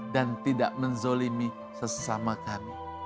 dan tidak menzolimi sesama kami